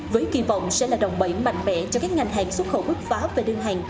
với kỳ vọng sẽ là đồng bãi mạnh mẽ cho các ngành hàng xuất khẩu bức phá về đơn hàng